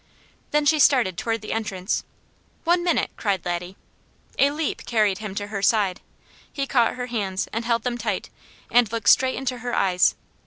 Then she started toward the entrance. "One minute!" cried Laddie. A leap carried him to her side. He caught her hands and held them tight, and looked straight into her eyes.